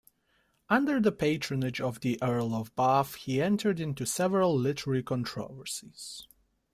Under the patronage of the Earl of Bath he entered into several literary controversies.